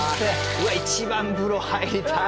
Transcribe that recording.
うわっ一番風呂入りたいね。